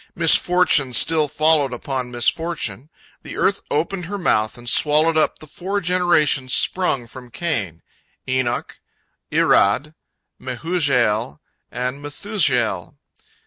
Misfortune still followed upon misfortune. The earth opened her mouth and swallowed up the four generations sprung from Cain—Enoch, Irad, Mehujael, and Methushael.